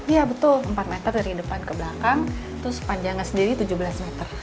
iya betul empat meter dari depan ke belakang terus panjangnya sendiri tujuh belas meter